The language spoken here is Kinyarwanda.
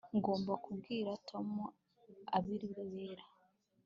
ngomba kubwira tom ibibera